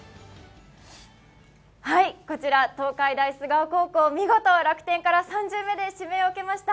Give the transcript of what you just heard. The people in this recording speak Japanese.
こちら、東海大菅生高校、見事、楽天から３巡目で指名を受けました